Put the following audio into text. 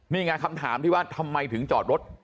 นี่ไงคำถามที่ว่าทำไมถึงจอดรถ